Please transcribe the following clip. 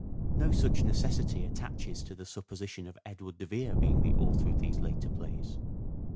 No such necessity attaches to the supposition of Edward de Vere being the author of these later plays.